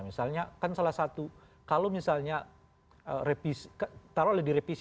misalnya kan salah satu kalau misalnya taruh lagi di revisi